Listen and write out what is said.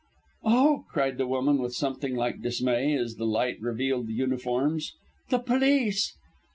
"Oh!" cried the woman, with something like dismay, as the light revealed uniforms, "the police!"